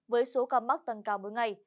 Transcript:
với số ca mắc tăng cao mỗi ngày